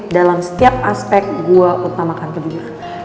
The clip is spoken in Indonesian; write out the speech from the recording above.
dalam setiap aspek gua utamakan kejujuran